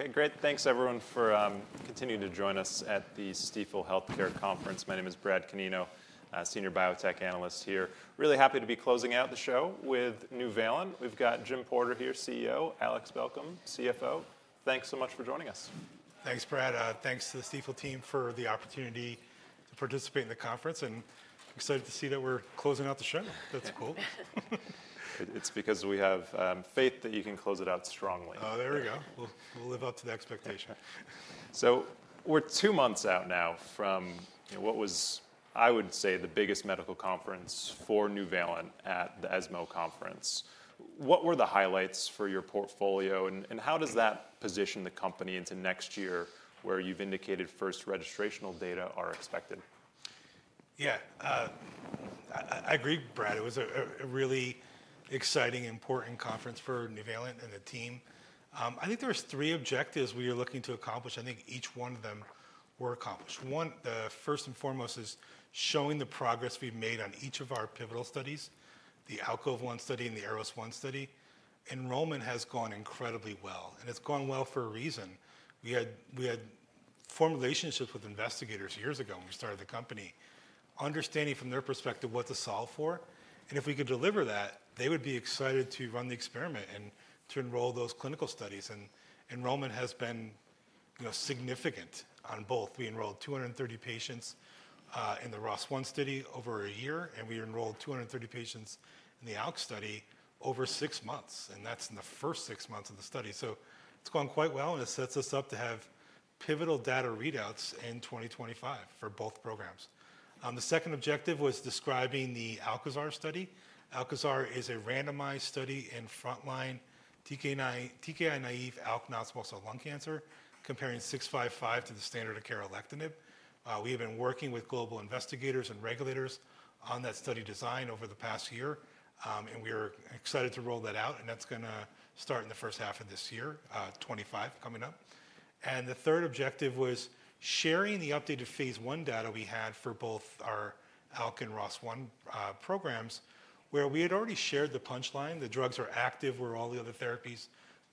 Okay, great. Thanks, everyone, for continuing to join us at the Stifel Healthcare Conference. My name is Brad Canino, Senior Biotech Analyst here. Really happy to be closing out the show with Nuvalent. We've got Jim Porter here, CEO. Alex Balcom, CFO. Thanks so much for joining us. Thanks, Brad. Thanks to the Stifel team for the opportunity to participate in the conference, and excited to see that we're closing out the show. That's cool. It's because we have faith that you can close it out strongly. Oh, there we go. We'll live up to the expectation. So we're two months out now from what was, I would say, the biggest medical conference for Nuvalent at the ESMO Conference. What were the highlights for your portfolio, and how does that position the company into next year, where you've indicated first registrational data are expected? Yeah, I agree, Brad. It was a really exciting, important conference for Nuvalent and the team. I think there were three objectives we were looking to accomplish. I think each one of them were accomplished. One, the first and foremost, is showing the progress we've made on each of our pivotal studies: the ALKOVE-1 study and the ARROS-1 study. Enrollment has gone incredibly well, and it's gone well for a reason. We had formed relationships with investigators years ago when we started the company, understanding from their perspective what to solve for. And if we could deliver that, they would be excited to run the experiment and to enroll those clinical studies. And enrollment has been significant on both. We enrolled 230 patients in the ROS-1 study over a year, and we enrolled 230 patients in the ALK study over six months, and that's in the first six months of the study, so it's gone quite well, and it sets us up to have pivotal data readouts in 2025 for both programs. The second objective was describing the ALKAZAR study. ALKAZAR is a randomized study in frontline TKI-naive ALK non-small cell lung cancer, comparing 655 to the standard of care alectinib. We have been working with global investigators and regulators on that study design over the past year, and we are excited to roll that out, and that's going to start in the first half of this year, 2025 coming up, and the third objective was sharing the updated phase I data we had for both our ALK and ROS-1 programs, where we had already shared the punchline. The drugs are active where all the other therapies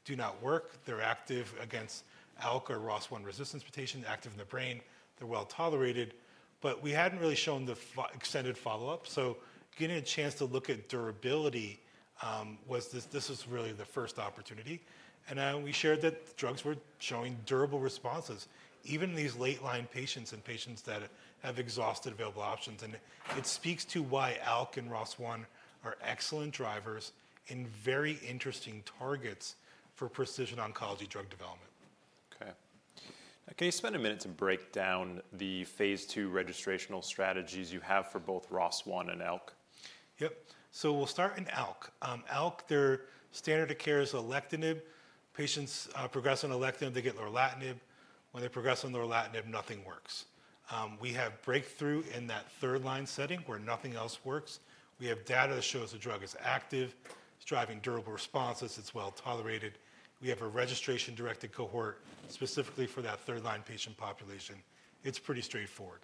do not work. They're active against ALK or ROS1 resistance mutation, active in the brain. They're well tolerated, but we hadn't really shown the extended follow-up. So getting a chance to look at durability was really the first opportunity. And we shared that drugs were showing durable responses, even in these late-line patients and patients that have exhausted available options. And it speaks to why ALK and ROS1 are excellent drivers and very interesting targets for precision oncology drug development. Okay. Can you spend a minute to break down the phase II registrational strategies you have for both ROS1 and ALK? Yep. So we'll start in ALK. ALK, their standard of care is alectinib. Patients progress on alectinib, they get lorlatinib. When they progress on lorlatinib, nothing works. We have breakthrough in that third-line setting where nothing else works. We have data that shows the drug is active, it's driving durable responses, it's well tolerated. We have a registrational cohort specifically for that third-line patient population. It's pretty straightforward,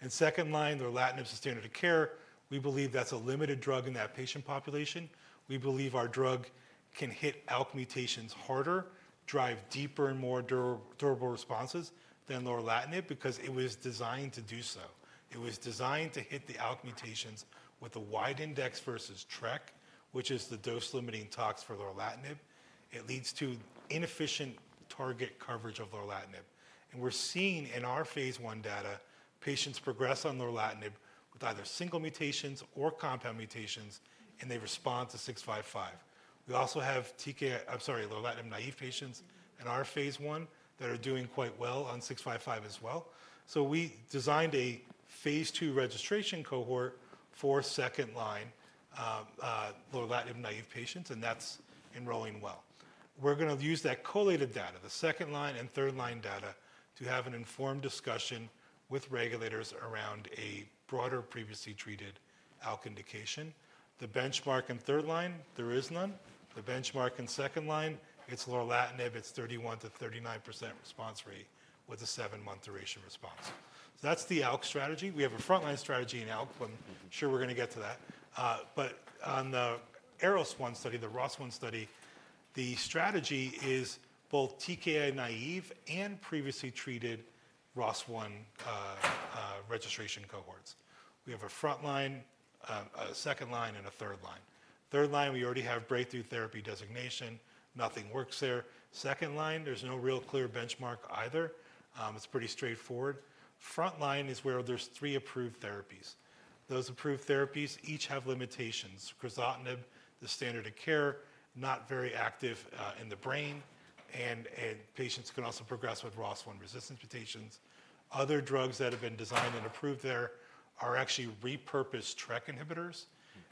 and second-line, lorlatinib's the standard of care. We believe that's a limited drug in that patient population. We believe our drug can hit ALK mutations harder, drive deeper and more durable responses than lorlatinib because it was designed to do so. It was designed to hit the ALK mutations with a wide index versus TRK, which is the dose-limiting tox for lorlatinib. It leads to inefficient target coverage of lorlatinib. We're seeing in our phase I data, patients progress on lorlatinib with either single mutations or compound mutations, and they respond to 655. We also have TKI, I'm sorry, lorlatinib-naive patients in our phase I that are doing quite well on 655 as well. We designed a phase II registration cohort for second-line lorlatinib-naive patients, and that's enrolling well. We're going to use that collated data, the second-line and third-line data, to have an informed discussion with regulators around a broader previously treated ALK indication. The benchmark in third line, there is none. The benchmark in second line, it's lorlatinib, it's 31%-39% response rate with a seven-month duration response. That's the ALK strategy. We have a frontline strategy in ALK, but I'm sure we're going to get to that. But on the ARROS-1 study, the ROS1 study, the strategy is both TKI-naive and previously treated ROS1 registration cohorts. We have a frontline, a second line, and a third line. Third line, we already have breakthrough therapy designation, nothing works there. Second line, there's no real clear benchmark either. It's pretty straightforward. Frontline is where there's three approved therapies. Those approved therapies each have limitations. crizotinib, the standard of care, not very active in the brain, and patients can also progress with ROS1 resistance mutations. Other drugs that have been designed and approved there are actually repurposed TRK inhibitors.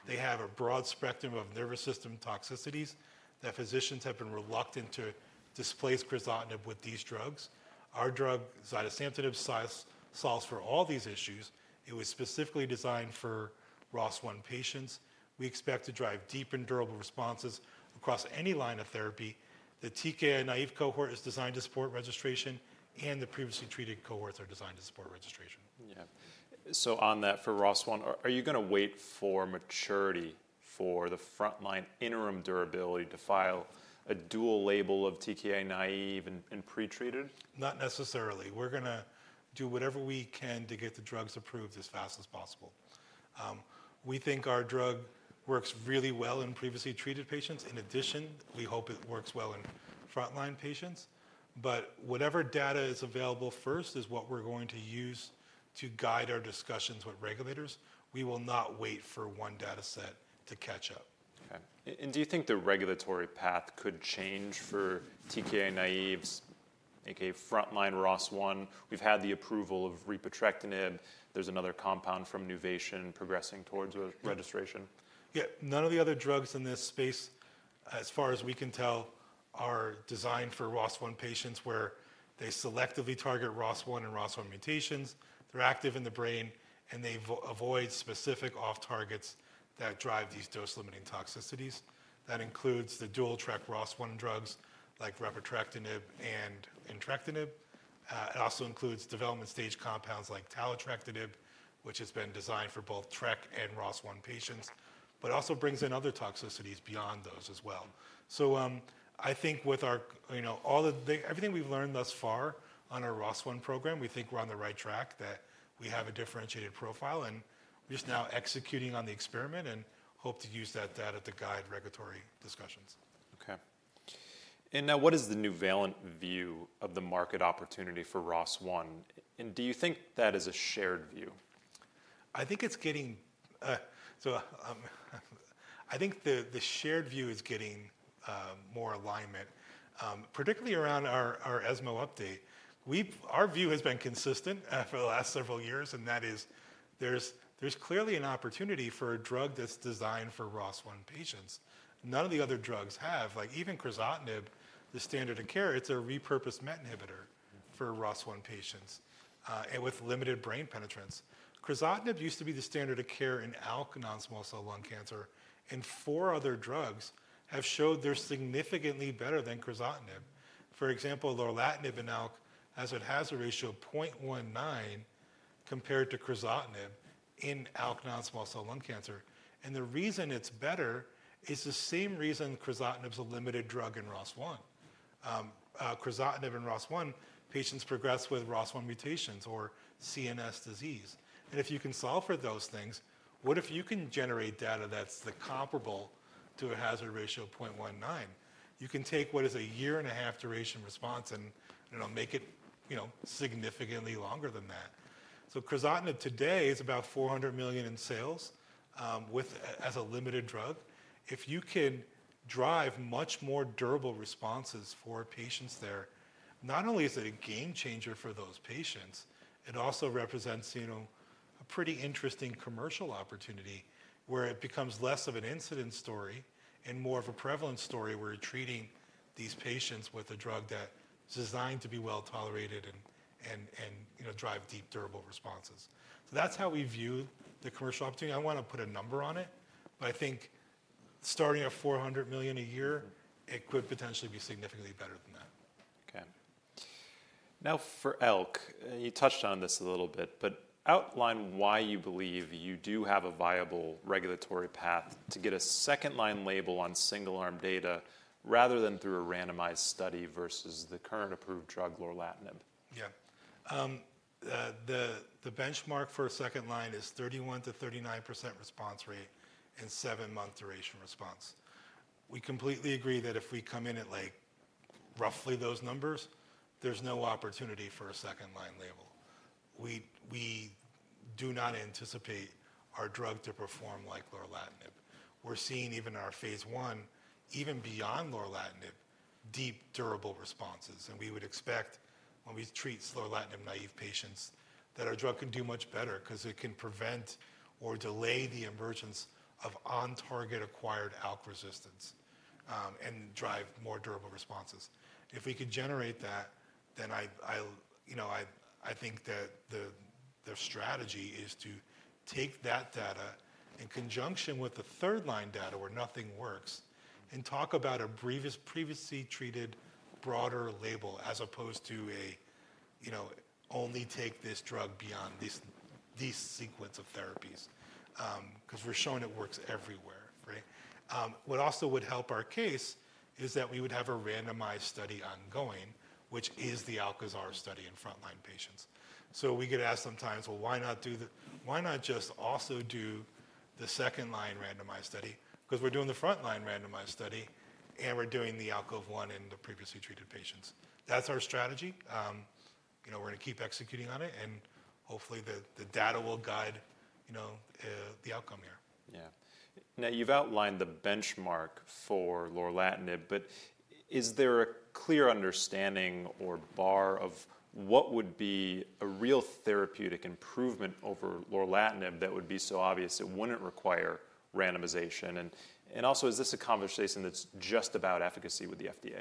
They have a broad spectrum of nervous system toxicities that physicians have been reluctant to displace crizotinib with these drugs. Our drug, zidesamtinib, solves for all these issues. It was specifically designed for ROS1 patients. We expect to drive deep and durable responses across any line of therapy. The TKI-naive cohort is designed to support registration, and the previously treated cohorts are designed to support registration. Yeah, so on that for ROS1, are you going to wait for maturity for the frontline interim durability to file a dual label of TKI-naive and pretreated? Not necessarily. We're going to do whatever we can to get the drugs approved as fast as possible. We think our drug works really well in previously treated patients. In addition, we hope it works well in frontline patients. But whatever data is available first is what we're going to use to guide our discussions with regulators. We will not wait for one data set to catch up. Okay. And do you think the regulatory path could change for TKI-naïve, a.k.a. frontline ROS1? We've had the approval of repotrectinib. There's another compound from Nuvation Bio progressing towards registration. Yeah. None of the other drugs in this space, as far as we can tell, are designed for ROS1 patients where they selectively target ROS1 and ROS1 mutations. They're active in the brain, and they avoid specific off-targets that drive these dose-limiting toxicities. That includes the dual TRK ROS1 drugs like repotrectinib and entrectinib. It also includes development stage compounds like talotrectinib, which has been designed for both TRK and ROS1 patients, but also brings in other toxicities beyond those as well. So I think with everything we've learned thus far on our ROS1 program, we think we're on the right track, that we have a differentiated profile, and we're just now executing on the experiment and hope to use that data to guide regulatory discussions. Okay. And now what is the Nuvalent view of the market opportunity for ROS1? And do you think that is a shared view? I think the shared view is getting more alignment, particularly around our ESMO update. Our view has been consistent for the last several years, and that is there's clearly an opportunity for a drug that's designed for ROS1 patients. None of the other drugs have. Like even crizotinib, the standard of care, it's a repurposed MET inhibitor for ROS1 patients with limited brain penetrance. crizotinib used to be the standard of care in ALK non-small cell lung cancer, and four other drugs have showed they're significantly better than crizotinib. For example, lorlatinib in ALK, as it has a ratio of 0.19 compared to crizotinib in ALK non-small cell lung cancer. The reason it's better is the same reason crizotinib's a limited drug in ROS1. crizotinib in ROS1, patients progress with ROS1 mutations or CNS disease. And if you can solve for those things, what if you can generate data that's comparable to a hazard ratio of 0.19? You can take what is a year and a half duration response and make it significantly longer than that. So crizotinib today is about $400 million in sales as a limited drug. If you can drive much more durable responses for patients there, not only is it a game changer for those patients, it also represents a pretty interesting commercial opportunity where it becomes less of an incidence story and more of a prevalence story where you're treating these patients with a drug that's designed to be well tolerated and drive deep durable responses. So that's how we view the commercial opportunity. I don't want to put a number on it, but I think starting at $400 million a year, it could potentially be significantly better than that. Okay. Now for ALK, you touched on this a little bit, but outline why you believe you do have a viable regulatory path to get a second-line label on single-arm data rather than through a randomized study versus the current approved drug, lorlatinib? Yeah. The benchmark for a second-line is 31%-39% response rate and seven-month duration response. We completely agree that if we come in at roughly those numbers, there's no opportunity for a second-line label. We do not anticipate our drug to perform like lorlatinib. We're seeing even in our phase I, even beyond lorlatinib, deep durable responses. And we would expect when we treat lorlatinib-naive patients that our drug can do much better because it can prevent or delay the emergence of on-target acquired ALK resistance and drive more durable responses. If we could generate that, then I think that the strategy is to take that data in conjunction with the third-line data where nothing works and talk about a previously treated broader label as opposed to a only take this drug beyond this sequence of therapies because we're showing it works everywhere, right? What also would help our case is that we would have a randomized study ongoing, which is the ALKAZAR study in frontline patients. So we could ask sometimes, well, why not just also do the second-line randomized study because we're doing the frontline randomized study and we're doing the ALKOVE-1 in the previously treated patients. That's our strategy. We're going to keep executing on it, and hopefully the data will guide the outcome here. Yeah. Now you've outlined the benchmark for lorlatinib, but is there a clear understanding or bar of what would be a real therapeutic improvement over lorlatinib that would be so obvious it wouldn't require randomization? And also, is this a conversation that's just about efficacy with the FDA?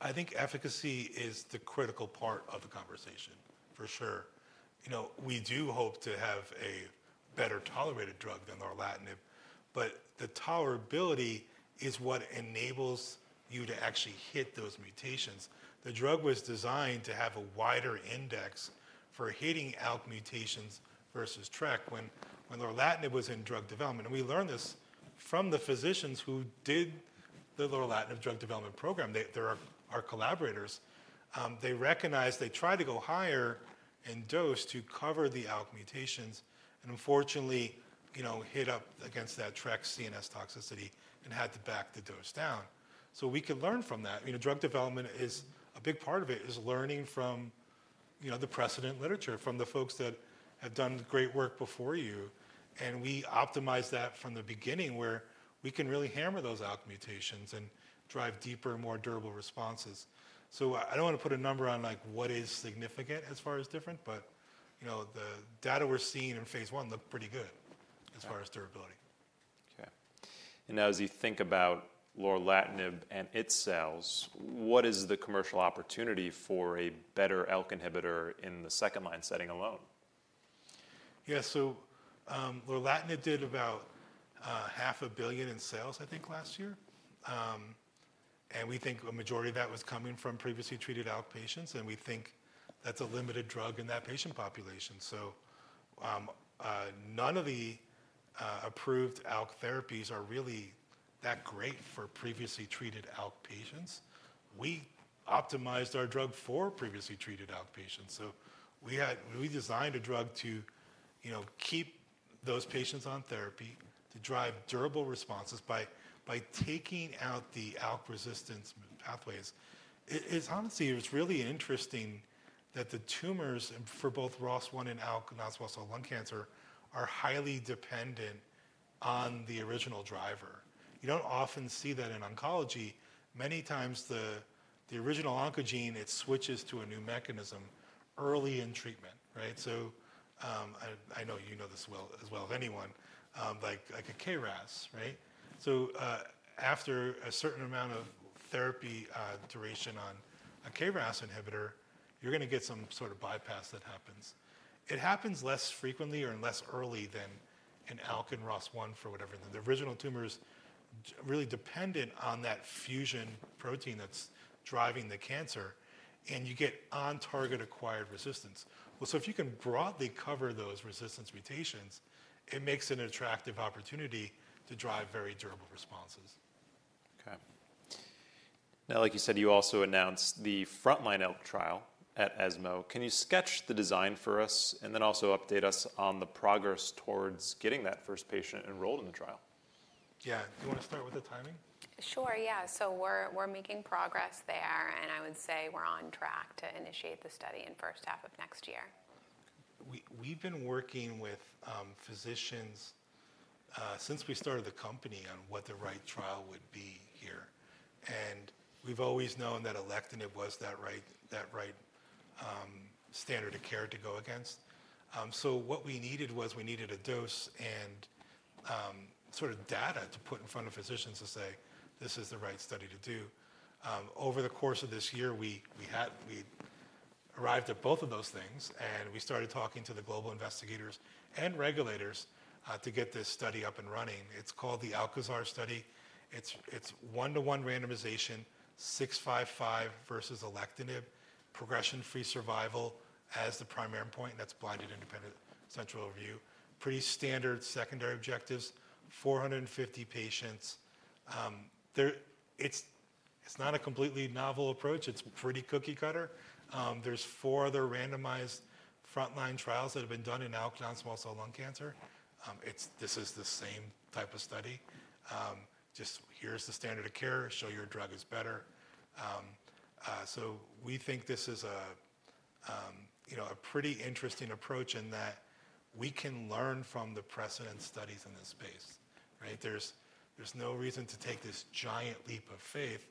I think efficacy is the critical part of the conversation, for sure. We do hope to have a better tolerated drug than lorlatinib, but the tolerability is what enables you to actually hit those mutations. The drug was designed to have a wider index for hitting ALK mutations versus TRK when lorlatinib was in drug development. And we learned this from the physicians who did the lorlatinib drug development program, our collaborators. They recognized they tried to go higher in dose to cover the ALK mutations and unfortunately hit up against that TRK CNS toxicity and had to back the dose down. So we could learn from that. Drug development is a big part of it is learning from the precedent literature from the folks that have done great work before you. We optimize that from the beginning where we can really hammer those ALK mutations and drive deeper and more durable responses. I don't want to put a number on what is significant as far as different, but the data we're seeing in phase I look pretty good as far as durability. Okay. And now as you think about lorlatinib and its sales, what is the commercial opportunity for a better ALK inhibitor in the second-line setting alone? Yeah. So lorlatinib did about $500 million in sales, I think, last year. And we think a majority of that was coming from previously treated ALK patients, and we think that's a limited drug in that patient population. So none of the approved ALK therapies are really that great for previously treated ALK patients. We optimized our drug for previously treated ALK patients. So we designed a drug to keep those patients on therapy, to drive durable responses by taking out the ALK resistance pathways. It's honestly, it's really interesting that the tumors for both ROS1 and ALK non-small cell lung cancer are highly dependent on the original driver. You don't often see that in oncology. Many times the original oncogene, it switches to a new mechanism early in treatment, right? So I know you know this well as well as anyone, like a KRAS, right? So after a certain amount of therapy duration on a KRAS inhibitor, you're going to get some sort of bypass that happens. It happens less frequently or less early than an ALK and ROS1 for whatever. The original tumor is really dependent on that fusion protein that's driving the cancer, and you get on-target acquired resistance. So if you can broadly cover those resistance mutations, it makes it an attractive opportunity to drive very durable responses. Okay. Now, like you said, you also announced the frontline ALK trial at ESMO. Can you sketch the design for us and then also update us on the progress towards getting that first patient enrolled in the trial? Yeah. Do you want to start with the timing? Sure. Yeah, so we're making progress there, and I would say we're on track to initiate the study in the first half of next year. We've been working with physicians since we started the company on what the right trial would be here. We've always known that alectinib was that right standard of care to go against. What we needed was we needed a dose and sort of data to put in front of physicians to say, this is the right study to do. Over the course of this year, we arrived at both of those things, and we started talking to the global investigators and regulators to get this study up and running. It's called the ALKAZAR study. It's one-to-one randomization, 655 versus alectinib, progression-free survival as the primary endpoint. That's blinded independent central review. Pretty standard secondary objectives, 450 patients. It's not a completely novel approach. It's pretty cookie cutter. There are four other randomized frontline trials that have been done in ALK non-small cell lung cancer. This is the same type of study. Just here's the standard of care. Show your drug is better. So we think this is a pretty interesting approach in that we can learn from the precedent studies in this space, right? There's no reason to take this giant leap of faith.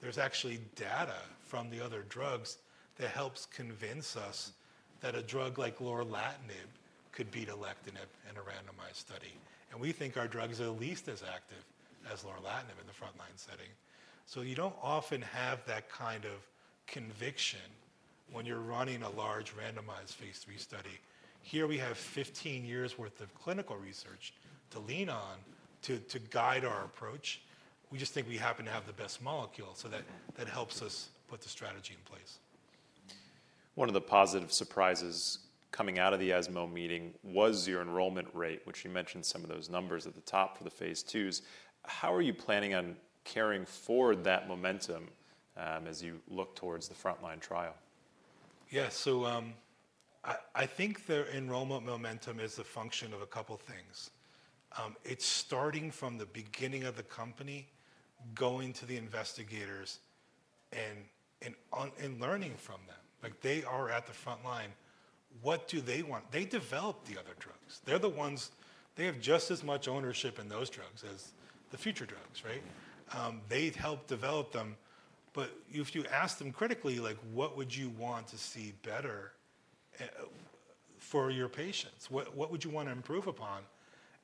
There's actually data from the other drugs that helps convince us that a drug like lorlatinib could beat alectinib in a randomized study. And we think our drug is at least as active as lorlatinib in the frontline setting. So you don't often have that kind of conviction when you're running a large randomized phase III study. Here we have 15 years' worth of clinical research to lean on to guide our approach. We just think we happen to have the best molecule, so that helps us put the strategy in place. One of the positive surprises coming out of the ESMO meeting was your enrollment rate, which you mentioned some of those numbers at the top for the phase II. How are you planning on carrying forward that momentum as you look towards the frontline trial? Yeah. So I think the enrollment momentum is a function of a couple of things. It's starting from the beginning of the company, going to the investigators, and learning from them. They are at the front line. What do they want? They develop the other drugs. They're the ones they have just as much ownership in those drugs as the future drugs, right? They helped develop them. But if you ask them critically, what would you want to see better for your patients? What would you want to improve upon?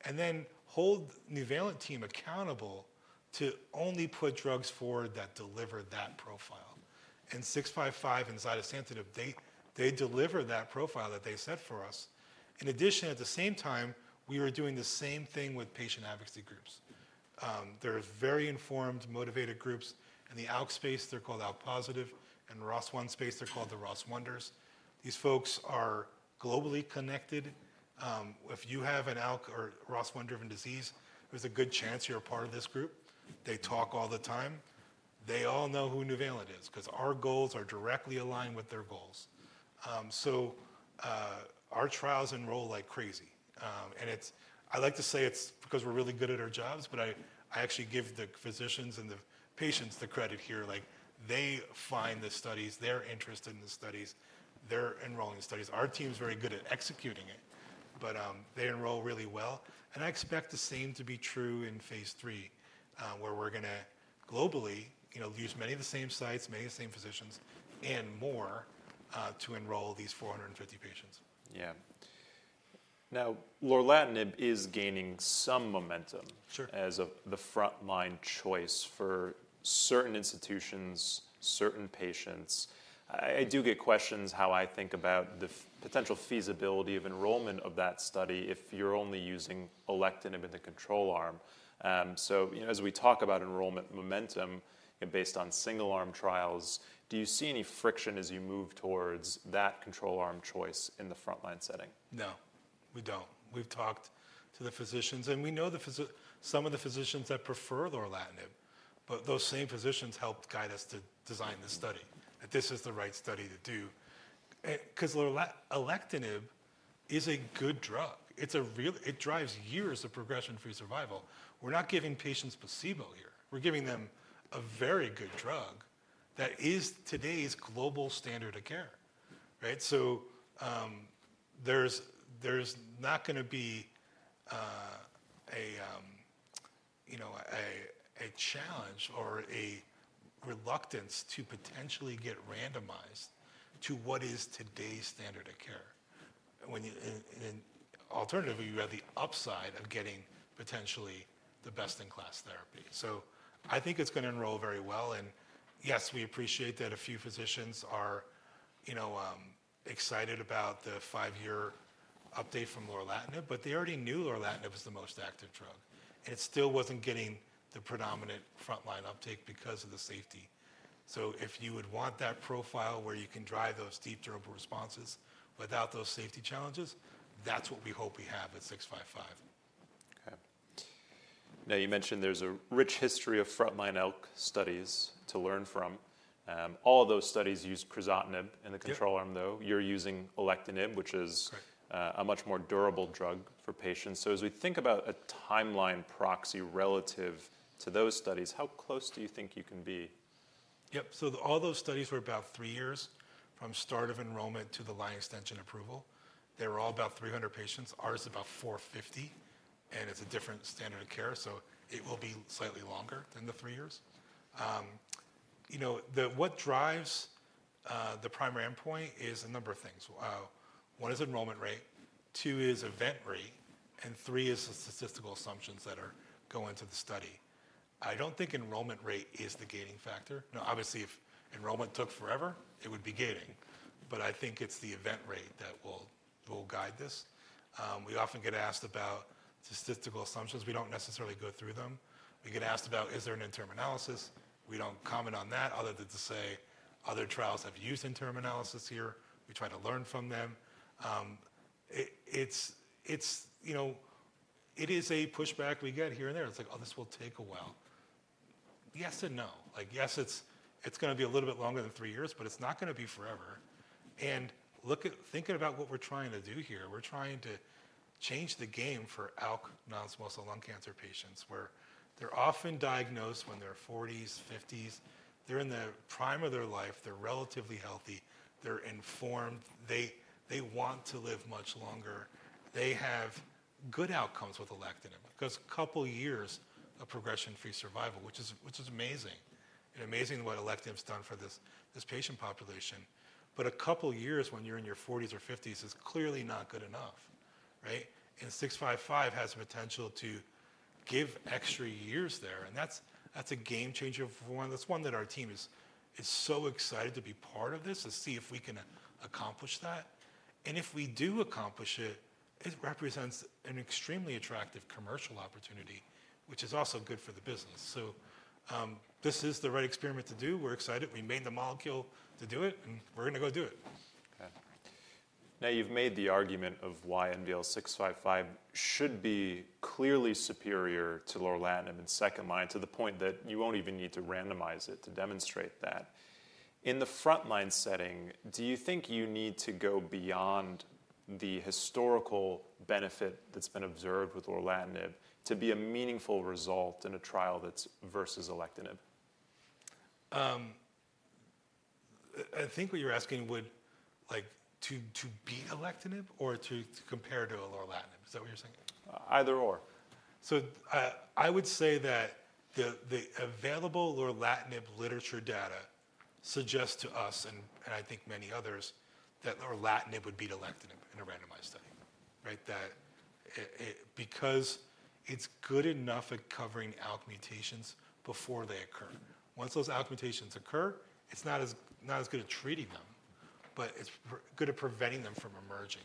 And then hold Nuvalent team accountable to only put drugs forward that deliver that profile. And 655 and zidesamtinib, they deliver that profile that they set for us. In addition, at the same time, we were doing the same thing with patient advocacy groups. There are very informed, motivated groups in the ALK space. They're called ALK Positive. In the ROS1 space, they're called the ROS1ders. These folks are globally connected. If you have an ALK or ROS1 driven disease, there's a good chance you're a part of this group. They talk all the time. They all know who Nuvalent is because our goals are directly aligned with their goals. So our trials enroll like crazy. And I like to say it's because we're really good at our jobs, but I actually give the physicians and the patients the credit here. They find the studies, they're interested in the studies, they're enrolling the studies. Our team's very good at executing it, but they enroll really well. And I expect the same to be true in phase III, where we're going to globally use many of the same sites, many of the same physicians, and more to enroll these 450 patients. Yeah. Now, lorlatinib is gaining some momentum as the frontline choice for certain institutions, certain patients. I do get questions how I think about the potential feasibility of enrollment of that study if you're only using alectinib in the control arm. So as we talk about enrollment momentum based on single-arm trials, do you see any friction as you move towards that control arm choice in the frontline setting? No. We don't. We've talked to the physicians, and we know some of the physicians that prefer lorlatinib, but those same physicians helped guide us to design this study, that this is the right study to do. Because alectinib is a good drug. It drives years of progression-free survival. We're not giving patients placebo here. We're giving them a very good drug that is today's global standard of care, right? So there's not going to be a challenge or a reluctance to potentially get randomized to what is today's standard of care. Alternatively, you have the upside of getting potentially the best-in-class therapy. So I think it's going to enroll very well. And yes, we appreciate that a few physicians are excited about the five-year update from lorlatinib, but they already knew lorlatinib was the most active drug. It still wasn't getting the predominant frontline uptake because of the safety. So if you would want that profile where you can drive those deep durable responses without those safety challenges, that's what we hope we have at 655. Okay. Now, you mentioned there's a rich history of frontline ALK studies to learn from. All of those studies use crizotinib in the control arm, though. You're using alectinib, which is a much more durable drug for patients. So as we think about a timeline proxy relative to those studies, how close do you think you can be? Yep. So all those studies were about three years from start of enrollment to the line extension approval. They were all about 300 patients. Ours is about 450, and it's a different standard of care, so it will be slightly longer than the three years. What drives the primary endpoint is a number of things. One is enrollment rate. Two is event rate. And three is the statistical assumptions that are going to the study. I don't think enrollment rate is the gating factor. Now, obviously, if enrollment took forever, it would be gating, but I think it's the event rate that will guide this. We often get asked about statistical assumptions. We don't necessarily go through them. We get asked about, is there an interim analysis? We don't comment on that other than to say other trials have used interim analysis here. We try to learn from them. It is a pushback we get here and there. It's like, oh, this will take a while. Yes and no. Yes, it's going to be a little bit longer than three years, but it's not going to be forever, and thinking about what we're trying to do here, we're trying to change the game for ALK non-small cell lung cancer patients where they're often diagnosed when they're 40s, 50s. They're in the prime of their life. They're relatively healthy. They're informed. They want to live much longer. They have good outcomes with alectinib because a couple of years of progression-free survival, which is amazing, and amazing what alectinib's done for this patient population. But a couple of years when you're in your 40s or 50s is clearly not good enough, right? And 655 has the potential to give extra years there, and that's a game changer for one. That's one that our team is so excited to be part of this to see if we can accomplish that. And if we do accomplish it, it represents an extremely attractive commercial opportunity, which is also good for the business. So this is the right experiment to do. We're excited. We made the molecule to do it, and we're going to go do it. Okay. Now, you've made the argument of why NVL-655 should be clearly superior to lorlatinib in second line to the point that you won't even need to randomize it to demonstrate that. In the frontline setting, do you think you need to go beyond the historical benefit that's been observed with lorlatinib to be a meaningful result in a trial that's versus alectinib? I think what you're asking would be to beat alectinib or to compare to lorlatinib? Is that what you're saying? Either/or. So I would say that the available lorlatinib literature data suggests to us, and I think many others, that lorlatinib would beat alectinib in a randomized study, right? Because it's good enough at covering ALK mutations before they occur. Once those ALK mutations occur, it's not as good at treating them, but it's good at preventing them from emerging.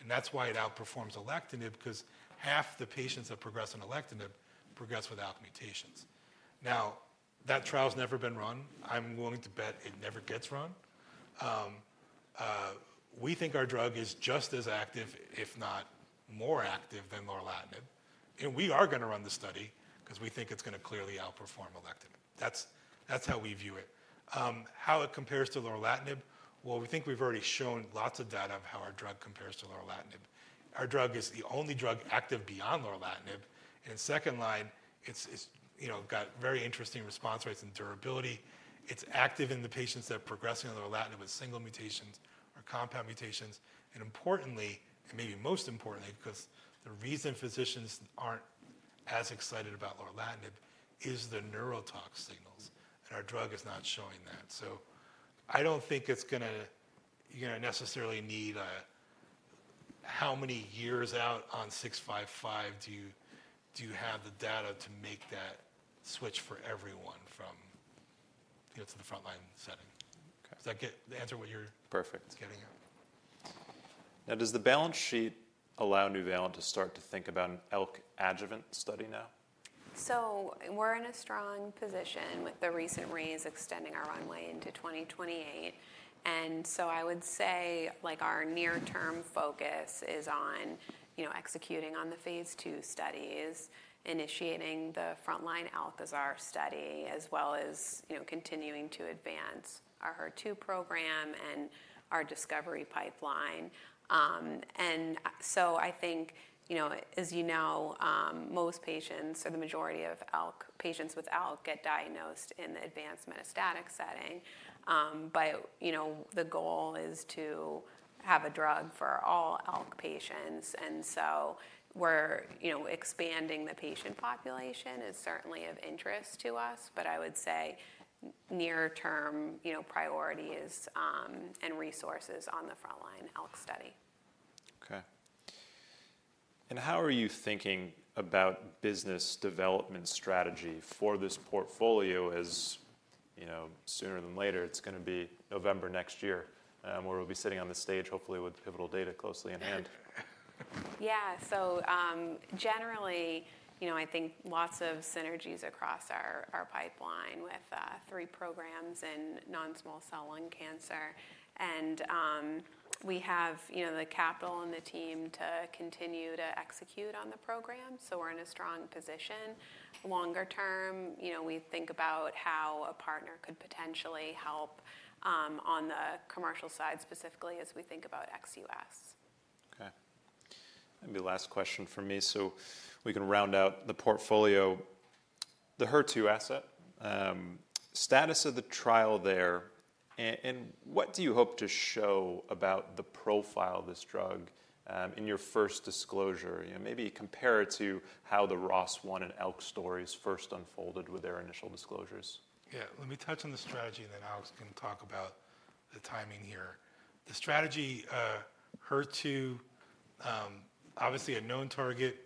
And that's why it outperforms alectinib because half the patients that progress on alectinib progress with ALK mutations. Now, that trial has never been run. I'm willing to bet it never gets run. We think our drug is just as active, if not more active than lorlatinib. And we are going to run the study because we think it's going to clearly outperform alectinib. That's how we view it. How it compares to lorlatinib? Well, we think we've already shown lots of data of how our drug compares to lorlatinib. Our drug is the only drug active beyond lorlatinib. And in second line, it's got very interesting response rates and durability. It's active in the patients that are progressing on lorlatinib with single mutations or compound mutations. And importantly, and maybe most importantly, because the reason physicians aren't as excited about lorlatinib is the neurotoxicity signals. And our drug is not showing that. So I don't think it's going to necessarily need how many years out on 655 do you have the data to make that switch for everyone to the frontline setting? Does that answer what you're getting at? Perfect. Now, does the balance sheet allow Nuvalent to start to think about an ALK adjuvant study now? So we're in a strong position with the recent raise extending our runway into 2028. And so I would say our near-term focus is on executing on the phase II studies, initiating the frontline ALKAZAR study, as well as continuing to advance our HER2 program and our discovery pipeline. And so I think, as you know, most patients, or the majority of patients with ALK, get diagnosed in the advanced metastatic setting. But the goal is to have a drug for all ALK patients. And so expanding the patient population is certainly of interest to us, but I would say near-term priorities and resources on the frontline ALK study. Okay, and how are you thinking about business development strategy for this portfolio? Sooner rather than later it's going to be November next year, where we'll be sitting on the stage, hopefully with pivotal data closely in hand? Yeah. So generally, I think lots of synergies across our pipeline with three programs in non-small cell lung cancer. And we have the capital and the team to continue to execute on the program, so we're in a strong position. Longer term, we think about how a partner could potentially help on the commercial side specifically as we think about XUS. Okay. Maybe last question for me. So we can round out the portfolio. The HER2 asset, status of the trial there, and what do you hope to show about the profile of this drug in your first disclosure? Maybe compare it to how the ROS1 and ALK stories first unfolded with their initial disclosures. Yeah. Let me touch on the strategy, and then Alex can talk about the timing here. The strategy, HER2, obviously a known target,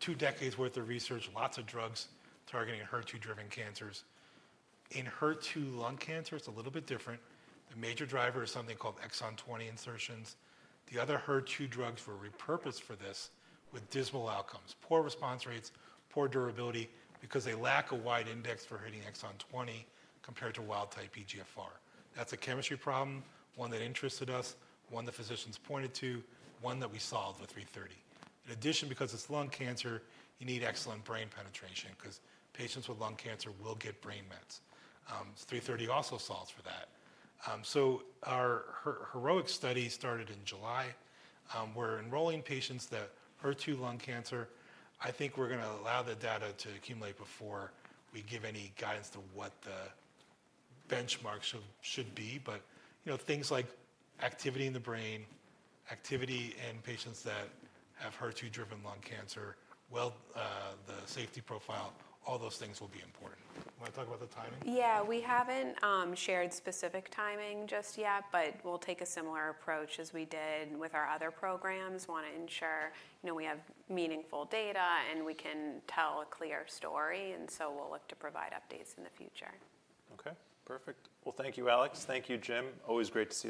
two decades' worth of research, lots of drugs targeting HER2-driven cancers. In HER2 lung cancer, it's a little bit different. The major driver is something called exon 20 insertions. The other HER2 drugs were repurposed for this with dismal outcomes, poor response rates, poor durability because they lack a wide index for hitting exon 20 compared to wild-type EGFR. That's a chemistry problem, one that interested us, one the physicians pointed to, one that we solved with 330. In addition, because it's lung cancer, you need excellent brain penetration because patients with lung cancer will get brain mets. 330 also solves for that. So our HEROIC-1 study started in July. We're enrolling patients with HER2 lung cancer. I think we're going to allow the data to accumulate before we give any guidance to what the benchmarks should be. But things like activity in the brain, activity in patients that have HER2-driven lung cancer, the safety profile, all those things will be important. Want to talk about the timing? Yeah. We haven't shared specific timing just yet, but we'll take a similar approach as we did with our other programs. Want to ensure we have meaningful data and we can tell a clear story, and so we'll look to provide updates in the future. Okay. Perfect. Well, thank you, Alex. Thank you, Jim. Always great to.